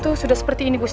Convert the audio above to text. udah gak apa kalian